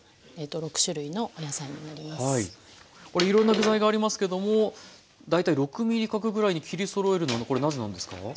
これいろんな具材がありますけども大体６ｍｍ角ぐらいに切りそろえるのはこれはなぜなんですか？